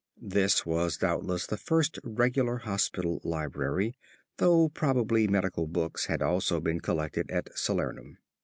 This was doubtless the first regular hospital library, though probably medical books had also been collected at Salernum.